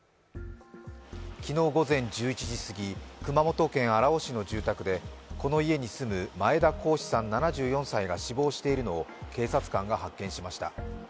昨日午前１１時過ぎ、熊本県荒尾市の住宅でこの家に住む前田好志さん７４歳が死亡しているのを、警察官が発見しました。